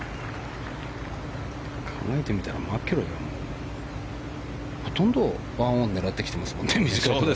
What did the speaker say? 考えてみたらマキロイはほとんど１オンを狙ってきてますよね。